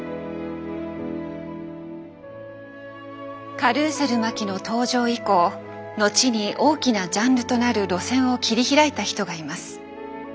カルーセル麻紀の登場以降後に大きなジャンルとなる路線を切り開いた人がいます。